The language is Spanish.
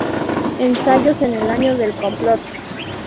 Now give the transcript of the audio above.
Ensayos en el año del Complot.